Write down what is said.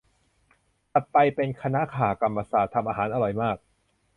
ถัดไปเป็นคณะคหกรรมศาสตร์ ทำอาหารอร่อยมาก